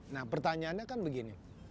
nah pertanyaannya kan begini